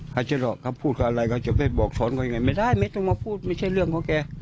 เขาจะหลอกเขาพูดกับอะไรเขาจะไปบอกสอนเขายังไงไม่ได้ไม่ต้องมาพูดไม่ใช่เรื่องของแก